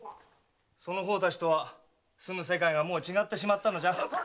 その方たちとは住む世界がもう違ってしまったのじゃ。